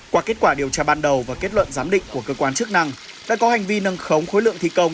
qua kết quả điều tra ban đầu và kết luận giám định của cơ quan chức năng đã có hành vi nâng khống khối lượng thi công